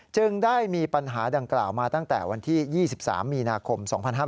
จึงได้มีปัญหาดังกล่าวมาตั้งแต่วันที่๒๓มีนาคม๒๕๕๙